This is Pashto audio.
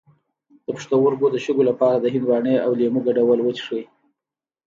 د پښتورګو د شګو لپاره د هندواڼې او لیمو ګډول وڅښئ